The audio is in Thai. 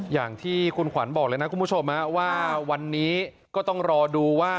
อย่างที่คุณขวัญบอกเลยนะคุณผู้ชมว่าวันนี้ก็ต้องรอดูว่า